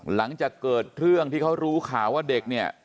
หลังจากเกิดเรื่องที่เขารู้ข่าวว่าเด็กเนี่ย